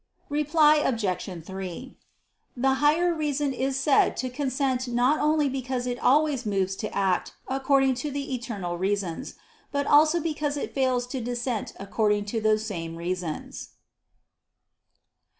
Reply Obj. 3: The higher reason is said to consent not only because it always moves to act, according to the eternal reasons; but also because it fails to dissent according to those same reasons.